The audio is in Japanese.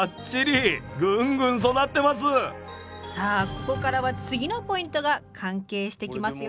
ここからは次のポイントが関係してきますよ。